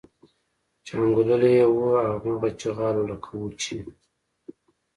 چې انګوللي یې وو هماغه چغال و لکه وو چې.